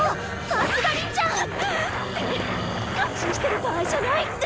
さすがりんちゃん！って感心してる場合じゃない！